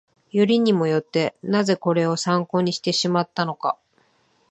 よりにもよって、なぜこれを参考にしてしまったのか